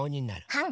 はん。